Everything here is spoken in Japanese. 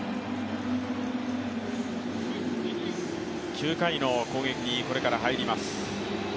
９回の攻撃にこれから入ります。